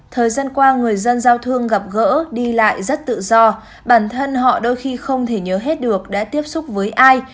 thời gian qua người dân giao thương gặp gỡ đi lại rất tự do bản thân họ đôi khi không thể nhớ hết được đã tiếp xúc với ai